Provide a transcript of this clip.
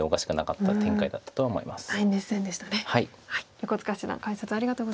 横塚七段解説ありがとうございました。